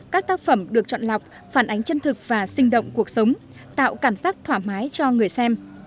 các tác phẩm được chọn lọc phản ánh chân thực và sinh động cuộc sống tạo cảm giác thoải mái cho người xem